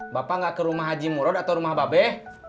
bapak nggak ke rumah haji murod atau rumah babeh